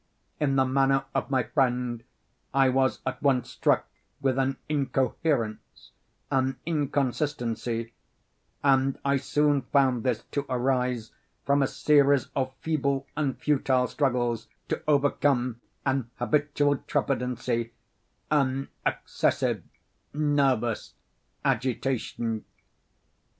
In the manner of my friend I was at once struck with an incoherence—an inconsistency; and I soon found this to arise from a series of feeble and futile struggles to overcome an habitual trepidancy—an excessive nervous agitation.